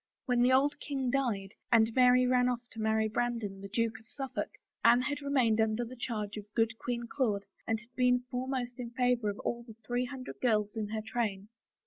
When the old king died and Mary ran oflF to marry Bran don, the Duke of SuflFolk, Anne had remained under the charge of good Queen Claude and had been foremost in favor of all the three hundred girls in her train.